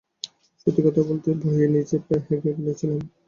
সত্যি কথা বলতে, ভয়ে নিজেই প্রায় হেগে ফেলছিলাম।